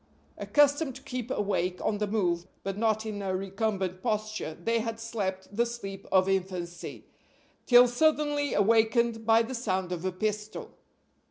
Accustomed to keep awake on the move, but not in a recumbent posture, they had slept the sleep of infancy, till suddenly awakened by the sound of a pistol.